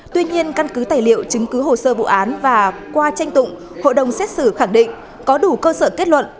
tuy nhiên căn cứ tài liệu chứng cứ hồ sơ vụ án và qua tranh tụng hội đồng xét xử khẳng định có đủ cơ sở kết luận